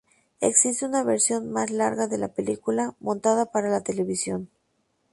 Existe una versión más larga de la película, montada para la televisión.